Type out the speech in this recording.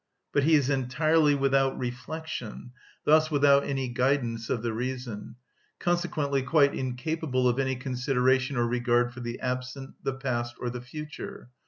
But he is entirely without reflection, thus without any guidance of the reason, consequently quite incapable of any consideration or regard for the present, the past, or the future.